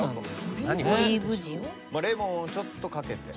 レモンをちょっとかけて。